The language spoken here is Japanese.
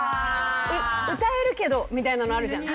歌えるけどみたいなのあるじゃん。